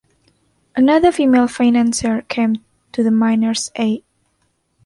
Another female financier came to the miners' aid.